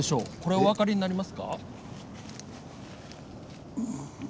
お分かりになります？